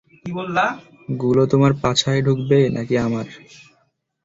গুলো তোমার পাছায় ঢুকবে, নাকি আমার?